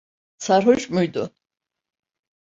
Sarhoş muydu?